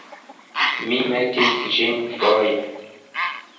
Mi metis ĝin foje.